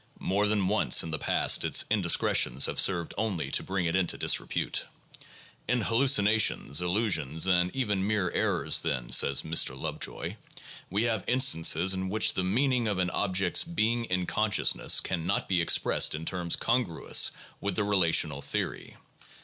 More than once in the past its indis cretions have served only to bring it into disrepute. "In hallu cinations, illusions, or even mere errors, then," says Mr. Lovejoy, "we have instances in which the meaning of an object's ' being in consciousness ' can not be expressed in terms congruous with the relational theory."